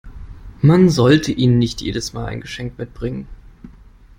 Man sollte ihnen nicht jedes Mal ein Geschenk mitbringen.